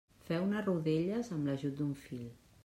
Feu-ne rodelles amb l'ajut d'un fil.